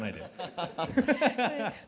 ハハハハ。